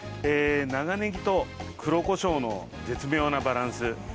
長ネギと黒コショウの絶妙なバランス。